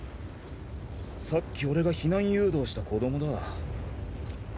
さっき俺が避難誘導した子どもだ。